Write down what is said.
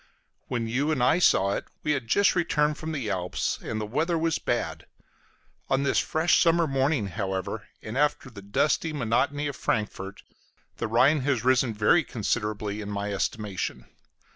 When you and I saw it we had just returned from the Alps, and the weather was bad; on this fresh summer morning, however, and after the dusty monotony of Frankfort, the Rhine has risen very considerably in my estimation.